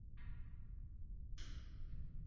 Oygul aqlli qiz, unga ishonaman.